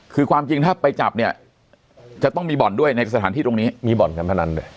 คือความจริงถ้าไปจับเนี่ยจะต้องมีบ่อนด้วยในสถานที่ตรงนี้มีบ่อนการพนันด้วย